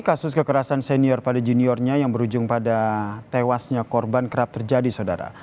kasus kekerasan senior pada juniornya yang berujung pada tewasnya korban kerap terjadi saudara